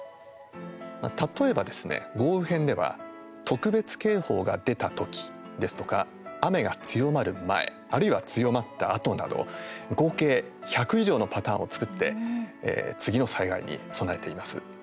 例えばですね、豪雨編では特別警報が出た時ですとか雨が強まる前あるいは強まったあとなど合計１００以上のパターンを作って次の災害に備えています。